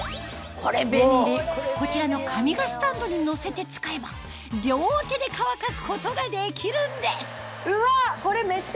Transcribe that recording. こちらのカミガスタンドにのせて使えば両手で乾かすことができるんですうわっ！